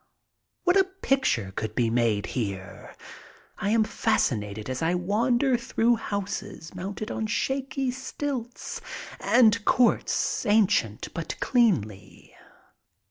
What a picture could be made here! I am fascinated as I wander through houses mounted on shaky stilts and courts ancient but cleanly.